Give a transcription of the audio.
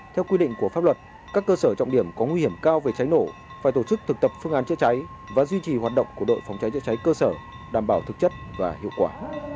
theo quy định của pháp luật các cơ sở trọng điểm có nguy hiểm cao về cháy nổ phải tổ chức thực tập phương án chữa cháy và duy trì hoạt động của đội phòng cháy chữa cháy cơ sở đảm bảo thực chất và hiệu quả